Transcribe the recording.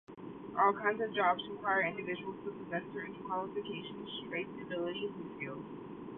All kinds of jobs require individuals to possess certain qualifications, traits, abilities and skills.